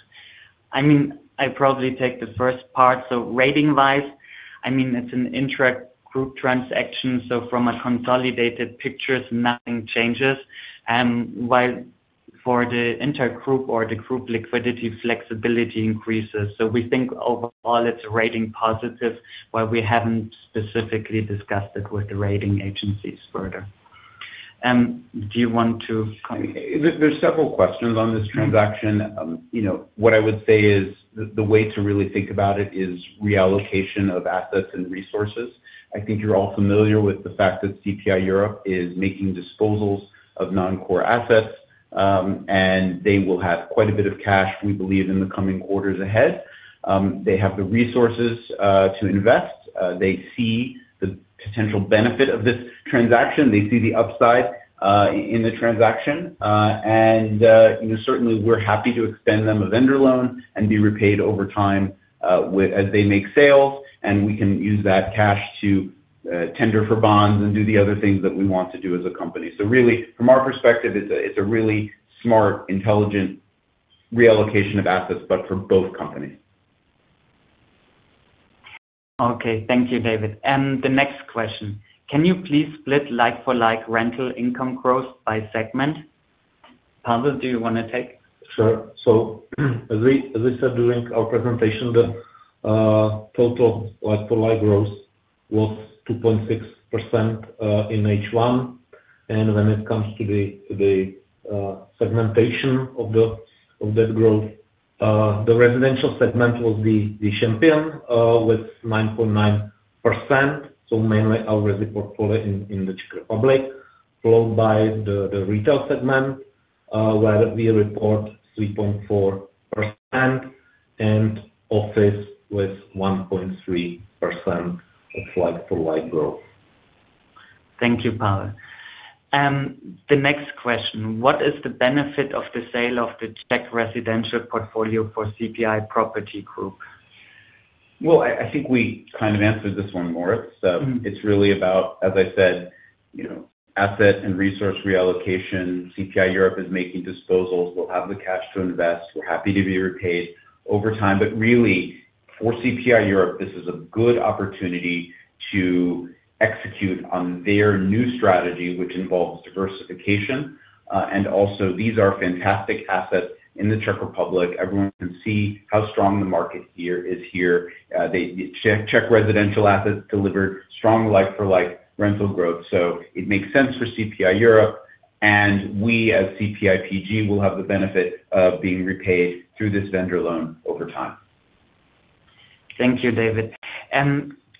I mean, I probably take the first part. Rating-wise, it's an intergroup transaction, so from a consolidated picture, nothing changes. For the intergroup or the group liquidity, flexibility increases. We think overall it's a rating positive, while we haven't specifically discussed it with the rating agencies further. Do you want to? are several questions on this transaction. What I would say is the way to really think about it is reallocation of assets and resources. I think you're all familiar with the fact that CPI Europe is making disposals of non-core assets, and they will have quite a bit of cash, we believe, in the coming quarters ahead. They have the resources to invest. They see the potential benefit of this transaction. They see the upside in the transaction. Certainly, we're happy to extend them a vendor loan and be repaid over time as they make sales, and we can use that cash to tender for bonds and do the other things that we want to do as a company. Really, from our perspective, it's a really smart, intelligent reallocation of assets for both companies. Okay, thank you, David. The next question: Can you please split like-for-like rental income growth by segment? Pavel, do you want to take? As we said during our presentation, the total like-for-like growth was 2.6% in H1. When it comes to the segmentation of that growth, the residential segment was the champion with 9.9%, so mainly our residential portfolio in the Czech Republic, followed by the retail segment where we report 3.4% and office with 1.3% of like-for-like growth. Thank you, Pavel. The next question: What is the benefit of the sale of the Czech residential portfolio for CPI Property Group? I think we kind of answered this one, Moritz. It's really about, as I said, asset and resource reallocation. CPI Europe is making disposals. We'll have the cash to invest. We're happy to be repaid over time. For CPI Europe, this is a good opportunity to execute on their new strategy, which involves diversification. These are fantastic assets in the Czech Republic. Everyone can see how strong the market here is. The Czech residential assets delivered strong like-for-like rental growth. It makes sense for CPI Europe. We, as CPIPG, will have the benefit of being repaid through this vendor loan over time. Thank you, David.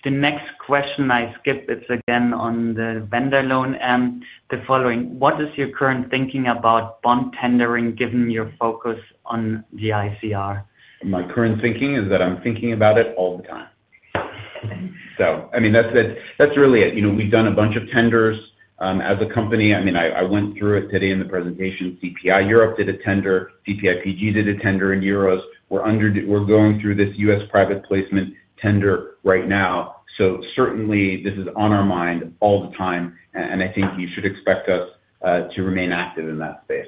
The next question I skip, it's again on the vendor loan and the following: What is your current thinking about bond tendering, given your focus on the ICR? My current thinking is that I'm thinking about it all the time. That's really it. We've done a bunch of tenders as a company. I went through it today in the presentation. CPI Europe did a tender. CPIPG did a tender in euros. We're going through this U.S. private placement tender right now. This is on our mind all the time. I think you should expect us to remain active in that space.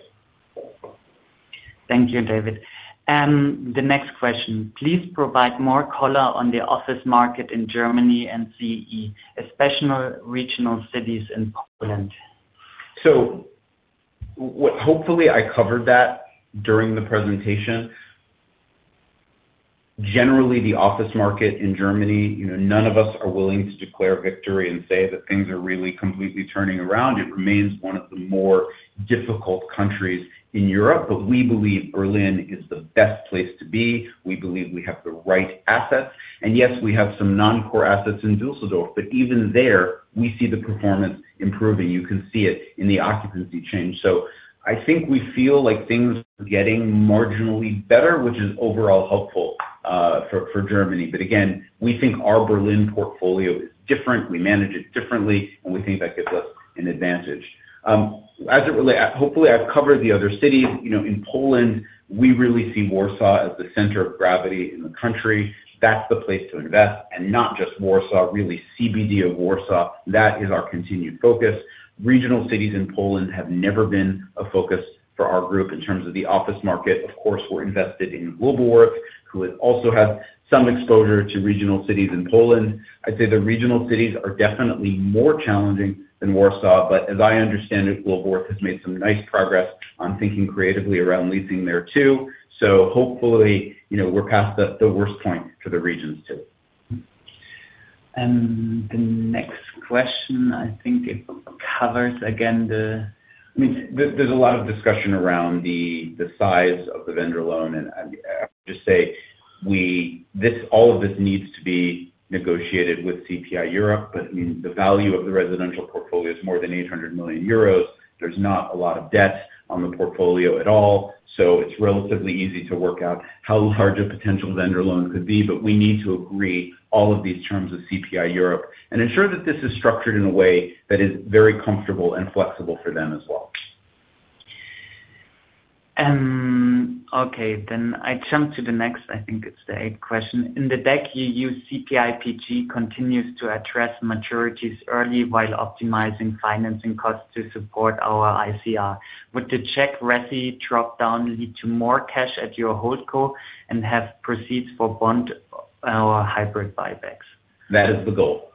Thank you, David. The next question: Please provide more color on the office market in Germany and CEE, especially regional cities in Poland. Hopefully, I covered that during the presentation. Generally, the office market in Germany, you know, none of us are willing to declare victory and say that things are really completely turning around. It remains one of the more difficult countries in Europe, but we believe Berlin is the best place to be. We believe we have the right assets. Yes, we have some non-core assets in Dusseldorf, but even there, we see the performance improving. You can see it in the occupancy change. I think we feel like things are getting marginally better, which is overall helpful for Germany. Again, we think our Berlin portfolio is different, we manage it differently, and we think that gives us an advantage. As it relates, hopefully, I've covered the other cities. In Poland, we really see Warsaw as the center of gravity in the country. That's the place to invest. Not just Warsaw, really CBD of Warsaw. That is our continued focus. Regional cities in Poland have never been a focus for our group in terms of the office market. Of course, we're invested in Globalworth, who also has some exposure to regional cities in Poland. I'd say the regional cities are definitely more challenging than Warsaw, but as I understand it, Globalworth has made some nice progress on thinking creatively around leasing there too. Hopefully, you know, we're past the worst point for the regions too. The next question, I think it covers again. there's a lot of discussion around the size of the vendor loan. All of this needs to be negotiated with CPI Europe, but the value of the residential portfolio is more than 800 million euros. There's not a lot of debt on the portfolio at all. It's relatively easy to work out how large a potential vendor loan could be, but we need to agree all of these terms with CPI Europe and ensure that this is structured in a way that is very comfortable and flexible for them as well. I jump to the next, I think it's the eighth question. In the deck you use, CPI Property Group continues to address maturities early while optimizing financing costs to support our ICR. Would the Czech RESI dropdown lead to more cash at your hold call and have proceeds for bond or hybrid buybacks? That is the goal.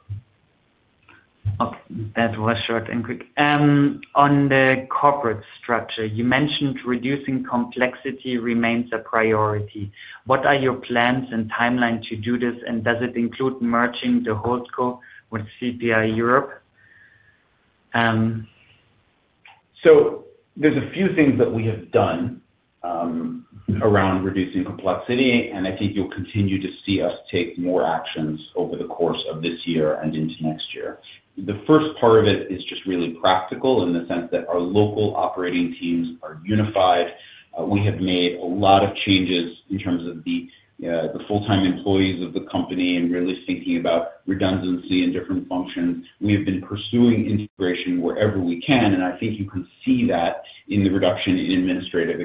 That was short and quick. On the corporate structure, you mentioned reducing complexity remains a priority. What are your plans and timeline to do this, and does it include merging the hold call with CPI Europe? There are a few things that we have done around reducing complexity, and I think you'll continue to see us take more actions over the course of this year and into next year. The first part of it is just really practical in the sense that our local operating teams are unified. We have made a lot of changes in terms of the full-time employees of the company and really thinking about redundancy and different functions. We have been pursuing integration wherever we can, and I think you can see that in the reduction in administrative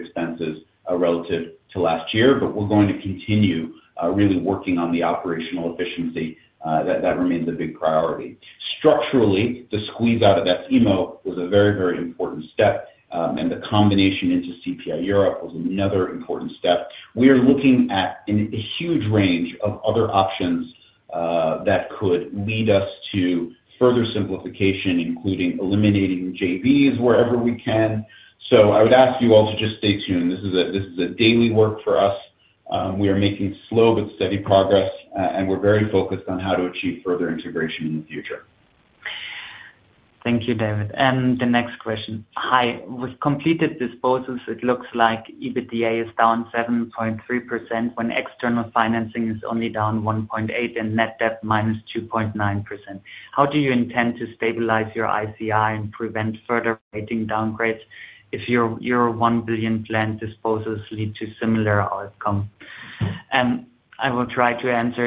expenses relative to last year, but we're going to continue really working on the operational efficiency that remains a big priority. Structurally, the squeeze out of that EMA was a very, very important step, and the combination into CPI Europe was another important step. We are looking at a huge range of other options that could lead us to further simplification, including eliminating JVs wherever we can. I would ask you all to just stay tuned. This is daily work for us. We are making slow but steady progress, and we're very focused on how to achieve further integration in the future. Thank you, David. The next question: Hi, we've completed disposals. It looks like EBITDA is down 7.3% when external financing is only down 1.8% and net debt -2.9%. How do you intend to stabilize your ICR and prevent further rating downgrades is your 1 billion plan disposals lead to a similar outcome? I will try to answer.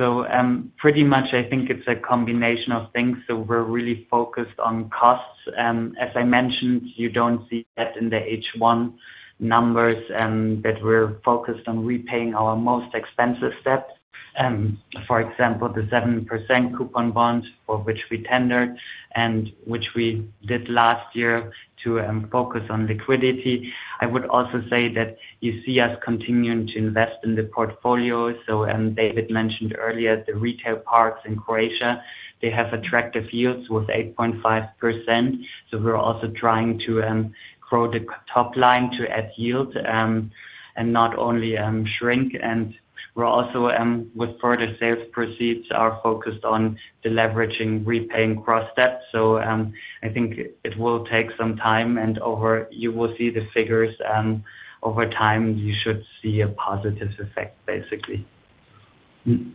I think it's a combination of things. We're really focused on costs. As I mentioned, you don't see that in the H1 numbers, but we're focused on repaying our most expensive debt. For example, the 7% coupon bond for which we tendered and which we did last year to focus on liquidity. I would also say that you see us continuing to invest in the portfolio. David mentioned earlier the retail parks in Croatia; they have attractive yields with 8.5%. We're also trying to grow the top line to add yield and not only shrink. We're also, with further sales proceeds, focused on leveraging repaying cross-debt. I think it will take some time, and you will see the figures over time. You should see a positive effect, basically. The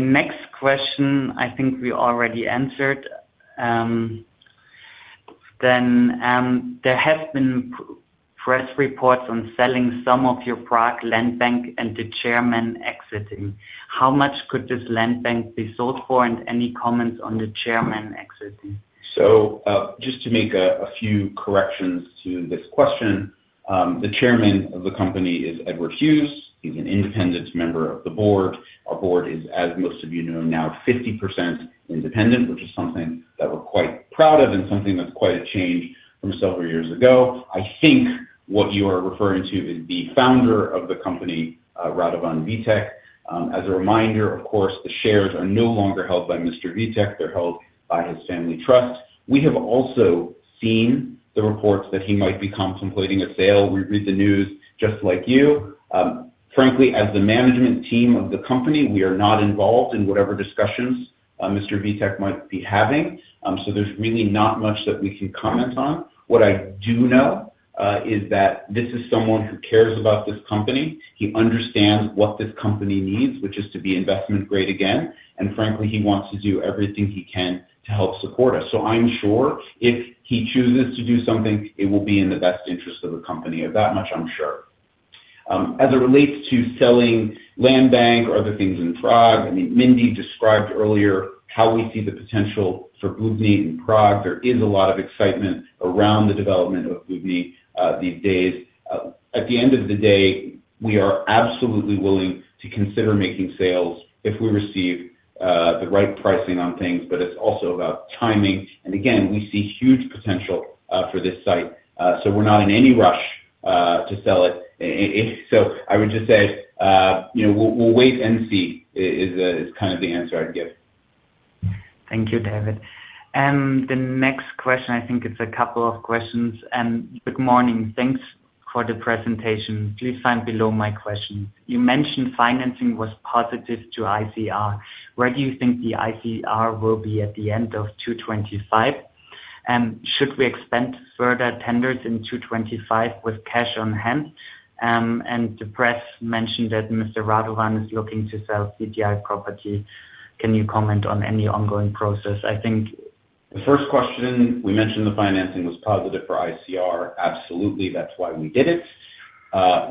next question, I think we already answered. There have been press reports on selling some of your Prague land bank and the chairman exiting. How much could this land bank be sold for and any comments on the chairman exiting? Just to make a few corrections to this question, the Chairman of the company is Edward Hughes. He's an independent member of the Board. Our Board is, as most of you know, now 50% independent, which is something that we're quite proud of and something that's quite a change from several years ago. I think what you are referring to is the founder of the company, Radovan Vítek. As a reminder, of course, the shares are no longer held by Mr. Vítek. They're held by his family trust. We have also seen the reports that he might be contemplating a sale. We read the news just like you. Frankly, as the management team of the company, we are not involved in whatever discussions Mr. Vítek might be having. There's really not much that we can comment on. What I do know is that this is someone who cares about this company. He understands what this company needs, which is to be investment-grade again. Frankly, he wants to do everything he can to help support us. I'm sure if he chooses to do something, it will be in the best interest of the company. That much I'm sure. As it relates to selling land bank or other things in Prague, I mean, Mindee Lee described earlier how we see the potential for Bubny in Prague. There is a lot of excitement around the development of Bubny these days. At the end of the day, we are absolutely willing to consider making sales if we receive the right pricing on things, but it's also about timing. We see huge potential for this site. We're not in any rush to sell it. I would just say, you know, we'll wait and see is kind of the answer I'd give. Thank you, David. The next question, I think it's a couple of questions. Good morning. Thanks for the presentation. Please find below my questions. You mentioned financing was positive to ICR. Where do you think the ICR will be at the end of Q2 2025? Should we expand further tenders in Q2 2025 with cash on hand? The press mentioned that Mr. Radovan is looking to sell CPI Property. Can you comment on any ongoing process? I think. The first question, we mentioned the financing was positive for ICR. Absolutely, that's why we did it.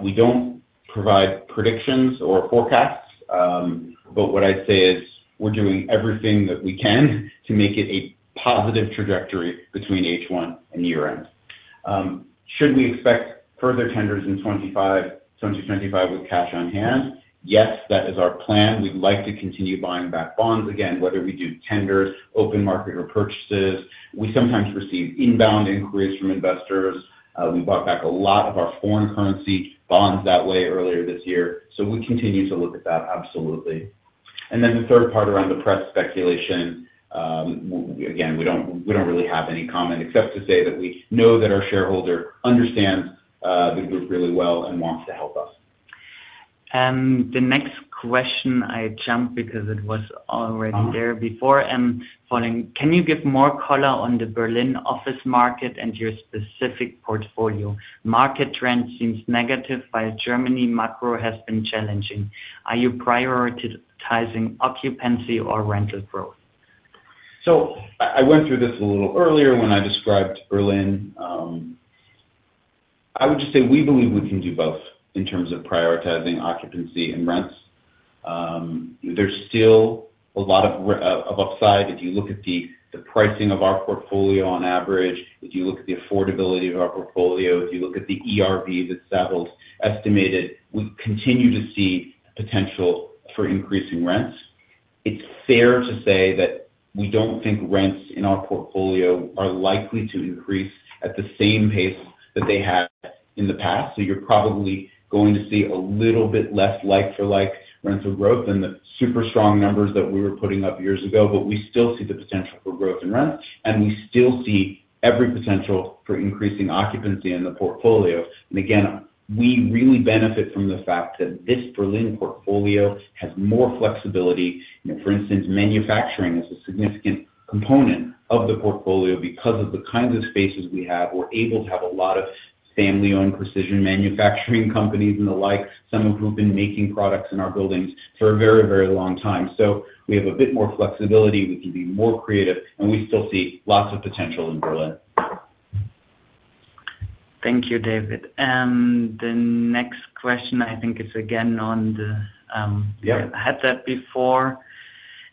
We don't provide predictions or forecasts, but what I'd say is we're doing everything that we can to make it a positive trajectory between H1 and year-end. Should we expect further tenders in 2025 with cash on hand? Yes, that is our plan. We'd like to continue buying back bonds, again, whether we do tenders, open market, or purchases. We sometimes receive inbound inquiries from investors. We bought back a lot of our foreign currency bonds that way earlier this year. We continue to look at that, absolutely. The third part around the prep speculation, again, we don't really have any comment except to say that we know that our shareholder understands the group really well and wants to help us. The next question, I jumped because it was already there before. Following, can you give more color on the Berlin office market and your specific portfolio? Market trend seems negative while Germany macro has been challenging. Are you prioritizing occupancy or rental growth? I went through this a little earlier when I described Berlin. I would just say we believe we can do both in terms of prioritizing occupancy and rents. There's still a lot of upside. If you look at the pricing of our portfolio on average, if you look at the affordability of our portfolio, if you look at the ERV that's settled, estimated, we continue to see potential for increasing rents. It's fair to say that we don't think rents in our portfolio are likely to increase at the same pace that they have in the past. You're probably going to see a little bit less like-for-like rental growth than the super strong numbers that we were putting up years ago, but we still see the potential for growth in rent, and we still see every potential for increasing occupancy in the portfolio. We really benefit from the fact that this Berlin portfolio has more flexibility. For instance, manufacturing is a significant component of the portfolio because of the kinds of spaces we have. We're able to have a lot of family-owned precision manufacturing companies and the like, some of whom have been making products in our buildings for a very, very long time. We have a bit more flexibility. We can be more creative, and we still see lots of potential in Berlin. Thank you, David. The next question, I think it's again on the, yeah, I had that before.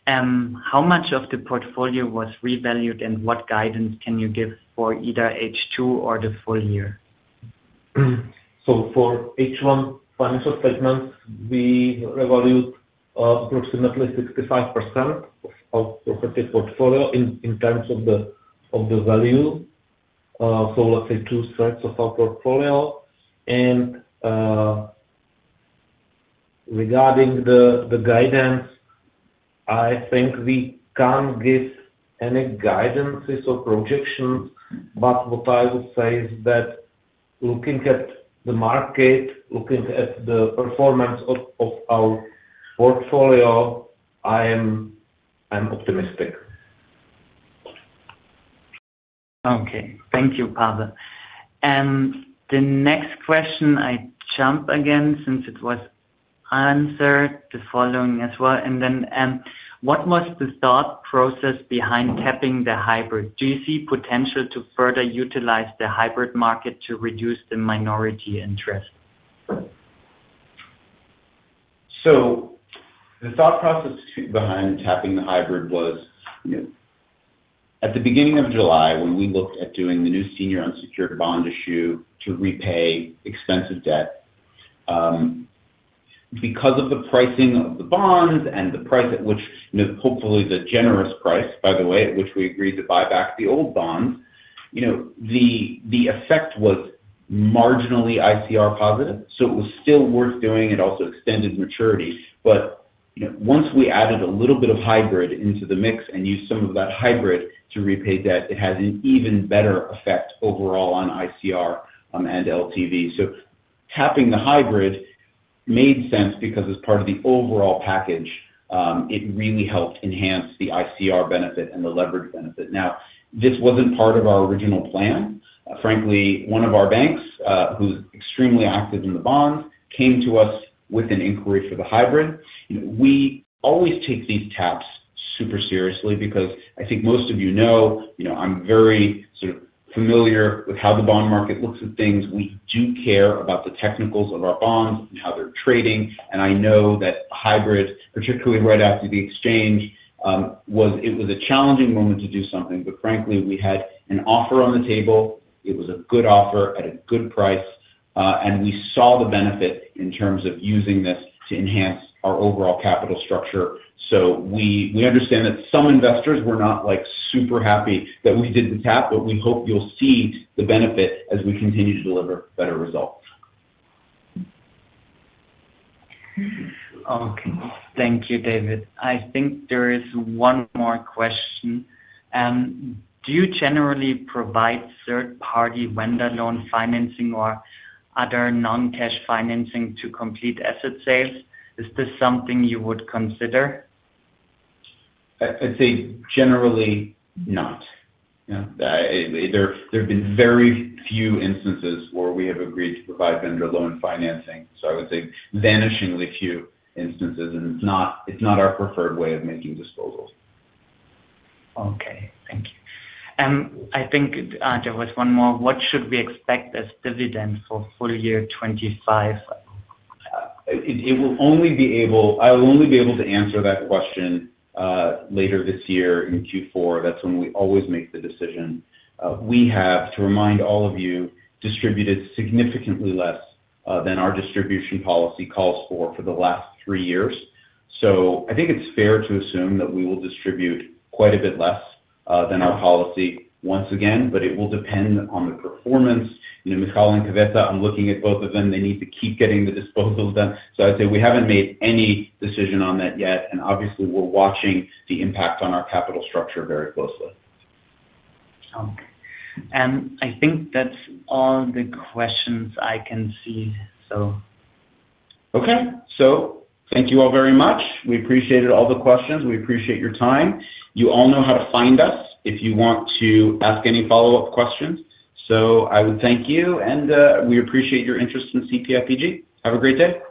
How much of the portfolio was revalued, and what guidance can you give for either H2 or the full year? For H1 financial segments, we revalued approximately 65% of the portfolio in terms of the value, so let's say two-thirds of our portfolio. Regarding the guidance, I think we can't give any guidances or projections, but what I would say is that looking at the market, looking at the performance of our portfolio, I am optimistic. Thank you, Pavel. The next question, I jump again since it was answered, the following as well. What was the thought process behind tapping the hybrid? Do you see potential to further utilize the hybrid market to reduce the minority interest? The thought process behind tapping the hybrid was at the beginning of July, when we looked at doing the new senior unsecured bond issue to repay expensive debt. Because of the pricing of the bonds and the price at which, you know, hopefully the generous price, by the way, at which we agreed to buy back the old bonds, the effect was marginally ICR positive. It was still worth doing. It also extended maturities. Once we added a little bit of hybrid into the mix and used some of that hybrid to repay debt, it has an even better effect overall on ICR and LTV. Tapping the hybrid made sense because as part of the overall package, it really helped enhance the ICR benefit and the leverage benefit. This was not part of our original plan. Frankly, one of our banks, who's extremely active in the bonds, came to us with an inquiry for the hybrid. We always take these taps super seriously because I think most of you know, I'm very sort of familiar with how the bond market looks at things. We do care about the technicals of our bonds and how they're trading. I know that hybrid, particularly right after the exchange, it was a challenging moment to do something. Frankly, we had an offer on the table. It was a good offer at a good price. We saw the benefit in terms of using this to enhance our overall capital structure. We understand that some investors were not like super happy that we did the tap, but we hope you'll see the benefit as we continue to deliver better results. Okay, thank you, David. I think there is one more question. Do you generally provide third-party vendor loan financing or other non-cash financing to complete asset sales? Is this something you would consider? I'd say generally not. There have been very few instances where we have agreed to provide vendor loan financing. I would say vanishingly few instances, and it's not our preferred way of making disposals. Thank you. I think there was one more. What should we expect as dividends for full year 2025? I will only be able to answer that question later this year in Q4. That's when we always make the decision. We have, to remind all of you, distributed significantly less than our distribution policy called for for the last three years. I think it's fair to assume that we will distribute quite a bit less than our policy once again, but it will depend on the performance. You know, Michal and Květa, I'm looking at both of them. They need to keep getting the disposal done. I'd say we haven't made any decision on that yet. Obviously, we're watching the impact on our capital structure very closely. Okay. I think that's all the questions I can see. Thank you all very much. We appreciated all the questions. We appreciate your time. You all know how to find us if you want to ask any follow-up questions. Thank you, and we appreciate your interest in CPI Property Group. Have a great day.